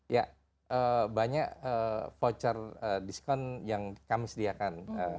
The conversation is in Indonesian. ya banyak voucher diskon yang kami sediakan